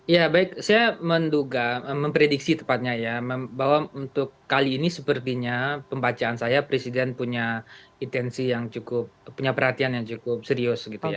ya baik saya menduga memprediksi tepatnya ya bahwa untuk kali ini sepertinya pembacaan saya presiden punya intensi yang cukup punya perhatian yang cukup serius gitu ya